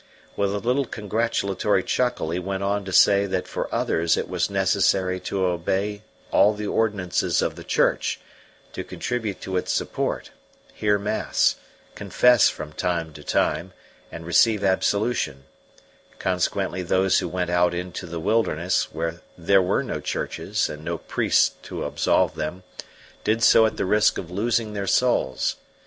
With a little gratulatory chuckle he went on to say that for others it was necessary to obey all the ordinances of the Church, to contribute to its support, hear mass, confess from time to time, and receive absolution; consequently those who went out into the wilderness, where there were no churches and no priests to absolve them, did so at the risk of losing their souls.